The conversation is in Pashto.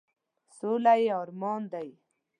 سوله یې ارمان دی ،.